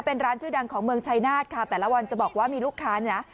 เป็นร้านชื่อดังของเมืองชายนาฏค่ะแต่ละวันจะบอกว่ามีลูกค้าเนี่ย